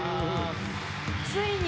ついに。